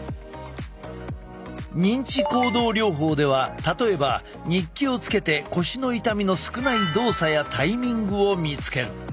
認知行動療法では例えば日記をつけて腰の痛みの少ない動作やタイミングを見つける。